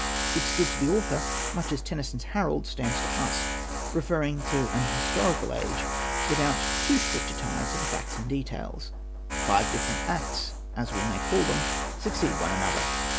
It stood to the author much as Tennyson's ^' Harold " stands to us, referring to an historical age, without too strict a tie to facts and details. Five different acts, as we may call them, suc ceed one another.